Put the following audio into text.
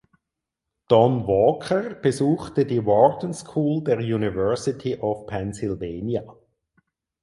Don Walker besuchte die Wharton School der University of Pennsylvania.